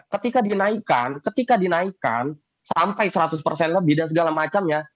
ketika dinaikkan ketika dinaikkan sampai seratus persen lebih dan segala macamnya